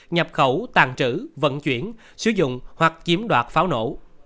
nhập khẩu tàn trữ vận chuyển sử dụng hoặc chiếm đoạt pháo nổ